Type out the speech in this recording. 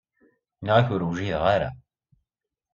Nniɣ-ak ur wjideɣ ara.